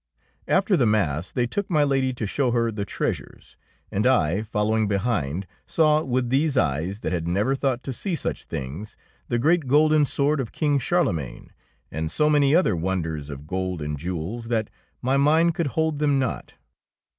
After the mass they took my Lady to show 32 THE ROBE OF THE DUCHESS her the treasures, and I, following be hind, saw with these eyes, that had never thought to see such things, the great golden sword of King Charle magne, and so many other wonders of gold and jewels that my mind could hold them not.